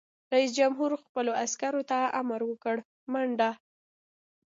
رئیس جمهور خپلو عسکرو ته امر وکړ؛ منډه!